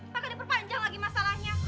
maka diperpanjang lagi masalahnya